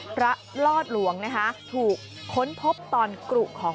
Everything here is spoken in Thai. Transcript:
ลอดหลวงนะคะถูกค้นพบตอนกรุของ